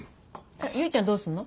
結ちゃんどうすんの？